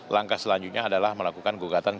langkah selanjutnya adalah melakukan perhitungan kami